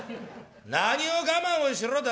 『何を我慢をしろだ？